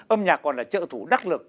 âm nhạc còn là trợ thủ đắc lực